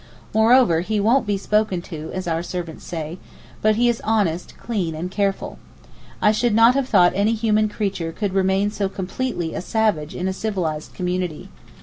Moreover he 'won't be spoken to,' as our servants say; but he is honest, clean, and careful. I should not have thought any human creature could remain so completely a savage in a civilized community.